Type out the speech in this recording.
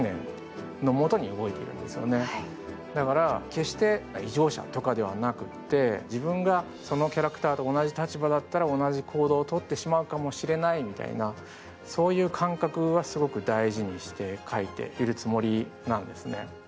決して異常者とかではなくて、自分がそのキャラクターと同じ立場だったら同じ行動をとってしまう、そういう感覚は、すごく大事にして書いているつもりなんですね。